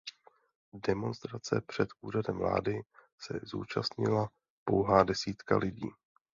Demonstrace před úřadem vlády se zúčastnila pouhá desítka lidí.